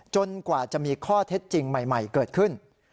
กว่าจะมีข้อเท็จจริงใหม่เกิดขึ้น